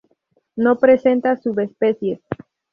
No presenta subespecies.